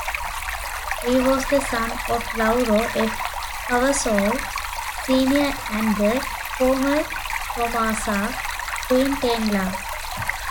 He was the son of Lauro F. Cavazos, Senior and the former Tomasa Quintanilla.